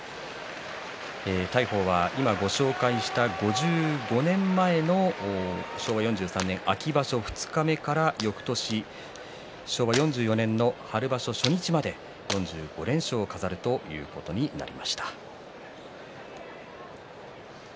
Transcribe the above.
大鵬は今ご紹介した５５年前の昭和４３年秋場所二日目から昭和４４年春場所二日目まで４５連勝を飾ることになりました。